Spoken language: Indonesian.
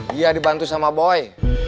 dia dibantu sama boy